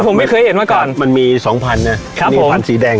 ผมไม่เคยเห็นมาก่อนมันมีสองพันนะครับมีพันธุแดง